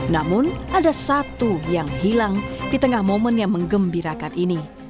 namun ada satu yang hilang di tengah momen yang mengembirakan ini